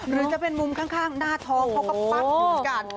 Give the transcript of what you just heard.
หรือจะเป็นมุมข้างหน้าท้องเขาก็ปั๊กอยู่เหมือนกัน